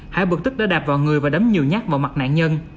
hải bực tức đã đạp vào người và đấm nhiều nhát vào mặt nạn nhân